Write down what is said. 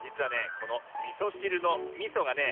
このみそしるのみそがね